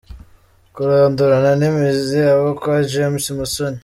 -Kurandurana n’imizi abo kwa James Musoni